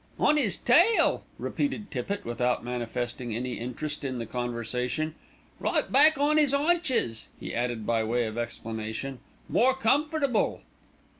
"On 'is tail," repeated Tippitt without manifesting any interest in the conversation. "Right back on 'is 'aunches," he added by way of explanation; "more comfortable."